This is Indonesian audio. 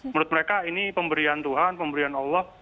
menurut mereka ini pemberian tuhan pemberian allah